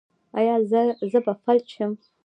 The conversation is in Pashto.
ایا زه به فلج شم؟